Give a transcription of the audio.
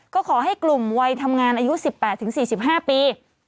ก็ขอให้กลุ่มวัยทำงานอายุ๑๘๔๕ปี